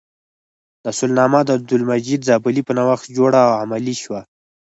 دا اصولنامه د عبدالمجید زابلي په نوښت جوړه او عملي شوه.